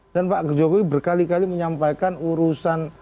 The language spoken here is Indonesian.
dan pak jokowi berkali kali menyampaikan urusan